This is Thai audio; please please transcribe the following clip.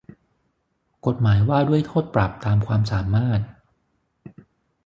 กฎหมายว่าด้วยโทษปรับตามความสามารถ